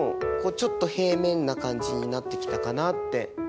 ちょっと平面な感じになってきたかなって思います。